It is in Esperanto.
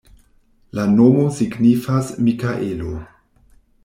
La nomo signifas Mikaelo.